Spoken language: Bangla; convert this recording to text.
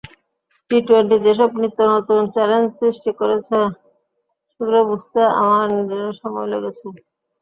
টি-টোয়েন্টি যেসব নিত্যনতুন চ্যালেঞ্জ সৃষ্টি করেছে, সেগুলো বুঝতে আমার নিজেরই সময় লেগেছে।